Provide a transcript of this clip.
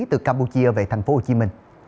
từ campuchia về tp hcm